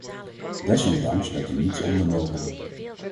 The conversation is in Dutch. Desondanks werd er niets ondernomen.